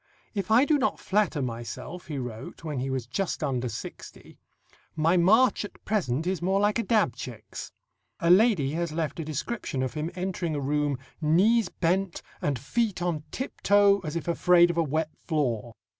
"If I do not flatter myself," he wrote when he was just under sixty, "my march at present is more like a dab chick's." A lady has left a description of him entering a room, "knees bent, and feet on tiptoe as if afraid of a wet floor."